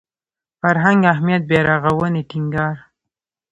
فرهنګ اهمیت بیارغاونې ټینګار